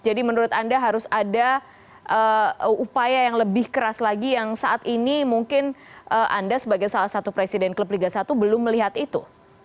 jadi menurut anda harus ada upaya yang lebih keras lagi yang saat ini mungkin anda sebagai salah satu presiden klub liga satu belum melihat itu